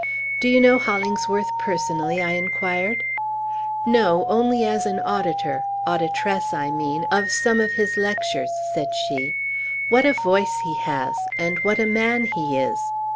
"Do you know Hollingsworth personally?" I inquired. "No; only as an auditor auditress, I mean of some of his lectures," said she. "What a voice he has! and what a man he is!